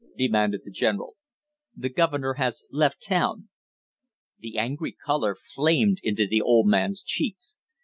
demanded the general. "The governor has left town." The angry color flamed into the old man's cheeks.